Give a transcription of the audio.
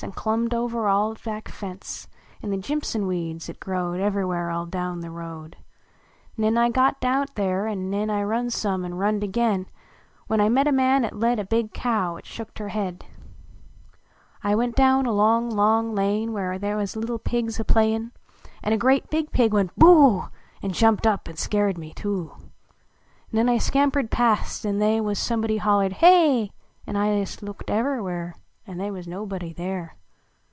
An clumhed over our back tence In the jimpson wecds at Crowed Ever where all down the road. Xen T got out there, an" nen I runned some an runned again \\hen T met a man at led A big cow at shouked her head. 85 THE RUNAWAY BOY I went down a long, long lane Where was little pigs a play n ; An a grea big pig went " I>ooh !" An jumped up, an skeered me too. Xen I scampered past, an they Was somebody hollered " Hey!" An I ist looked ever where, An they was nobody there.